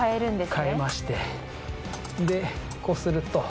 変えましてでこうすると。